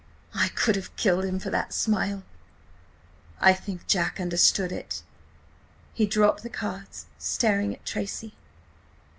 I could have killed him for that smile! I think Jack understood it–he dropped the cards, staring at Tracy.